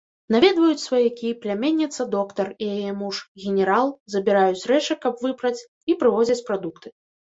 Наведваюць сваякі, пляменніца-доктар і яе муж, генерал, забіраюць рэчы, каб выпраць, і прывозяць прадукты.